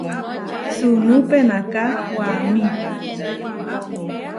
Sunú penaká waʼámi.